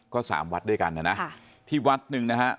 ก็สามวัดด้วยกันนะนะที่วัดหนึ่งนะฮะ